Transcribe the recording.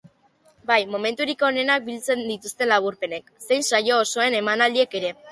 Bai momenturik onenak biltzen dituzten laburpenek, zein saio osoen emanaldiek ere.